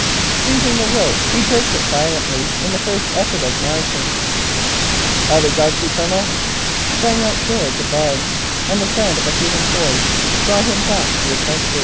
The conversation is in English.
Seizing the rope, he jerked it violently in the first effort of mounting. "Hev he got yew, Colonel?" sung out George above; and the sound of a human voice brought him back to his sense.